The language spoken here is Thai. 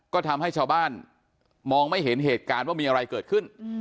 ก็ทำให้ชาวบ้านมองไม่เห็นเหตุการณ์ว่ามีอะไรเกิดขึ้น